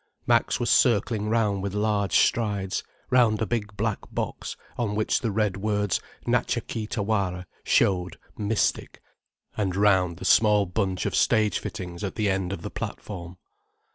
Max was circling round with large strides, round a big black box on which the red words Natcha Kee Tawara showed mystic, and round the small bunch of stage fittings at the end of the platform.